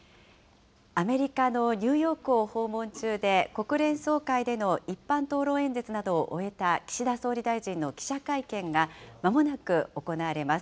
アメリカのニューヨークを訪問中で、国連総会での一般討論演説などを終えた岸田総理大臣の記者会見が、まもなく行われます。